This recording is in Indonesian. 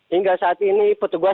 hingga saat ini petugas